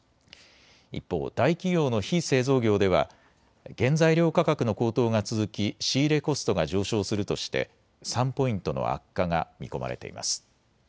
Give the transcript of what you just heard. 一方、大企業の非製造業では原材料価格の高騰が続き仕入れコストが上昇するとして３ポイントの悪化が見込まれています。